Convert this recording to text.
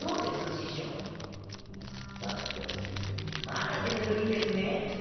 まだ手ぬるいんですね。